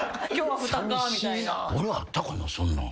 俺あったかなそんなん。